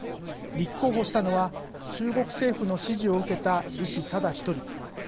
立候補したのは中国政府の支持を受けた李氏ただ１人。